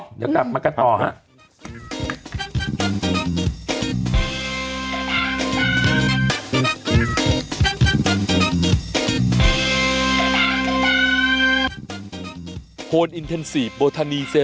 เดี๋ยวกลับมากันต่อฮะ